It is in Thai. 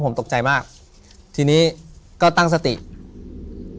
ถูกต้องไหมครับถูกต้องไหมครับ